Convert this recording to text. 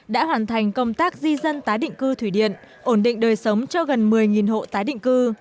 đã hoàn thành công tác di dân tái định cư thủy điện ổn định đời sống cho gần một mươi hộ tái định cư